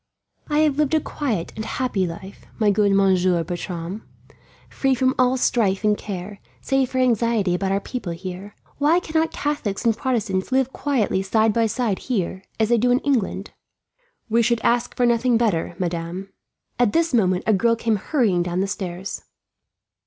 "I have lived a quiet and happy life, my good Monsieur Bertram; free from all strife and care, save for anxiety about our people here. Why cannot Catholics and Protestants live quietly side by side here, as they do in England?" "We should ask nothing better, madame." At this moment, a girl came hurrying down the stairs.